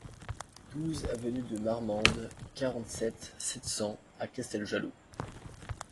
douze avenue de Marmande, quarante-sept, sept cents à Casteljaloux